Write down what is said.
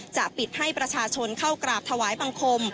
จะปิดให้ประชาชนเข้ากราบถวายบังคม